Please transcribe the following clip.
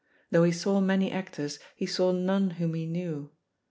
Though he saw many actors, he saw none whom he knew.